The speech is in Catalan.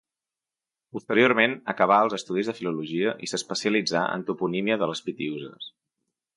Posteriorment acabà els estudis de filologia i s'especialitzà en toponímia de les Pitiüses.